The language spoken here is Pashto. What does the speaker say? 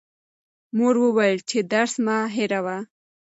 مور وویل چې درس مه هېروه.